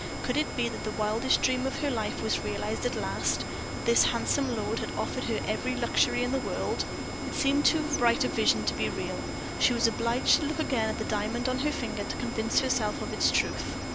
Could it be that the wildest dream of her life was realized at last; that this handsome lord had offered her every luxury in the world; it seemed too bright a vision to be real; she was obliged to look again at the diamond on her finger to convince herself of its truth.